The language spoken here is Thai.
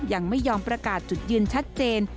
ยังไม่ยอมประกาศจุดยืนชัดเจน